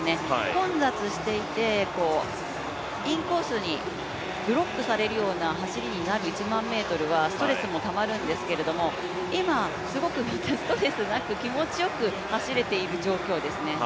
混雑していてインコースにブロックされるような走りになる１００００ｍはストレスもたまるんですけれども、今すごくストレスなく気持ちよく走れている状況ですね。